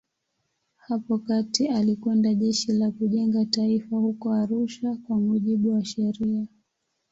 Hapo kati alikwenda Jeshi la Kujenga Taifa huko Arusha kwa mujibu wa sheria.